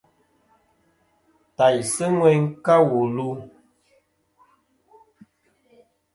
Tàysɨ ŋweyn ka wù lu.